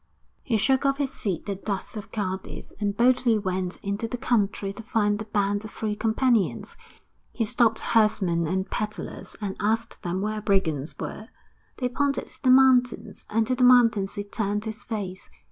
He shook off his feet the dust of Cadiz, and boldly went into the country to find a band of free companions. He stopped herdsmen and pedlars and asked them where brigands were. They pointed to the mountains, and to the mountains he turned his face.